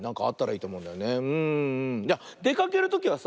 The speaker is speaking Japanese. いやでかけるときはさ